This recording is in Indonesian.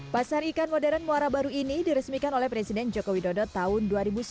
pasar ikan modern muara baru ini diresmikan oleh presiden joko widodo tahun dua ribu sembilan belas